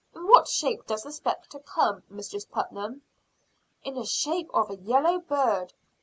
"In what shape does the spectre come, Mistress Putnam?" "In the shape of a yellow bird.